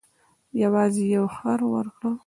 یوازې یو خر ورکړ.